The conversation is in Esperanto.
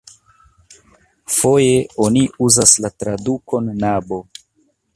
Foje oni uzas la tradukon nabo.